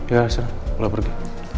ya ya sudah udah pergi